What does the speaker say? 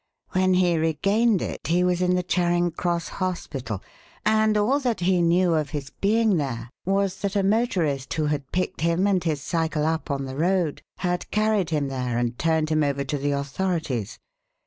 When he regained it, he was in the Charing Cross Hospital, and all that he knew of his being there was that a motorist who had picked him and his cycle up on the road had carried him there and turned him over to the authorities.